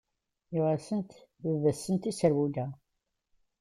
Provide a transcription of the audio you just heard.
Yuɣ-asent-d baba-tsent iserwula.